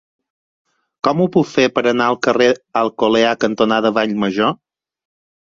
Com ho puc fer per anar al carrer Alcolea cantonada Vallmajor?